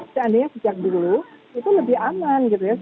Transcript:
seandainya sejak dulu itu lebih aman gitu ya